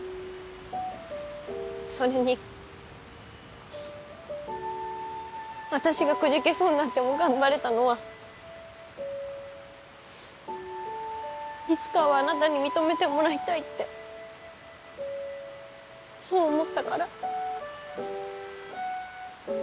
それに私がくじけそうになっても頑張れたのはいつかはあなたに認めてもらいたいってそう思ったから。